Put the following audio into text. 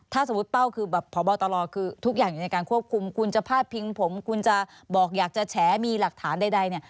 ถ้าสมมุติเป้าคือแบบพบตรคือทุกอย่างอยู่ในการควบคุมคุณจะพาดพิงผมคุณจะบอกอยากจะแฉมีหลักฐานใดเนี่ย